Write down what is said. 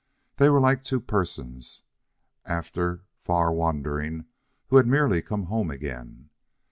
They were like two persons, after far wandering, who had merely come home again.